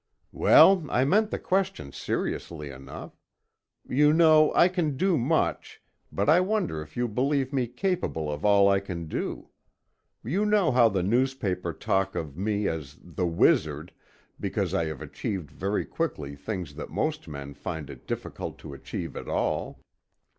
"Well, I meant the question seriously enough. You know I can do much, but I wonder if you believe me capable of all I can do? You know how the newspapers talk of me as 'the wizard,' because I have achieved very quickly things that most men find it difficult to achieve at all.